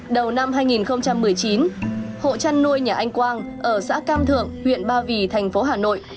đầu năm hai nghìn một mươi chín hộ chăn nuôi nhà anh quang ở xã cam thượng huyện ba vì thành phố hà nội